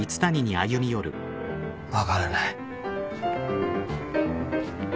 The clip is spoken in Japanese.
分からない。